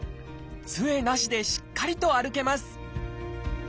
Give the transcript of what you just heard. つえなしでしっかりと歩けます！